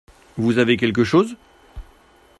Vous avez quelque chose ?